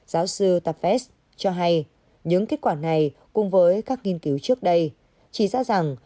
giáo sư tapest cho hay những kết quả này cùng với các nghiên cứu trước đây chỉ ra rằng